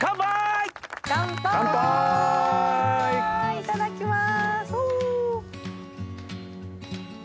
いただきます